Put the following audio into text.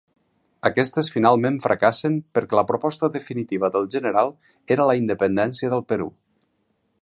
Aquestes finalment fracassen perquè la proposta definitiva del general era la independència del Perú.